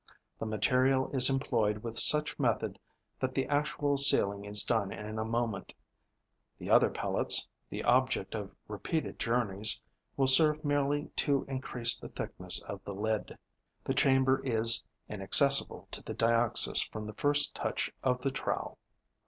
The material is employed with such method that the actual sealing is done in a moment: the other pellets, the object of repeated journeys, will serve merely to increase the thickness of the lid. The chamber is inaccessible to the Dioxys from the first touch of the trowel.